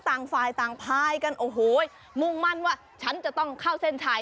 ต่างฝ่ายต่างพายกันโอ้โหมุ่งมั่นว่าฉันจะต้องเข้าเส้นชัย